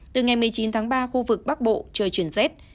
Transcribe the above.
từ ngày một mươi chín tháng ba khu vực bắc bộ trời chuyển rét